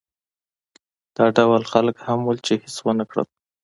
دا ډول خلک هم وو چې هېڅ ونه کړل.